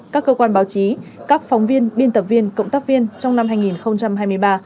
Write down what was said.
các cơ quan báo chí các phóng viên biên tập viên cộng tác viên trong năm hai nghìn hai mươi ba